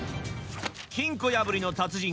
金庫破りの達人。